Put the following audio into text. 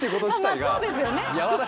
まあそうですよね。